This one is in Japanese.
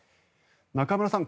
中室さん